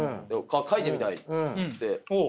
「書いてみたい」つって。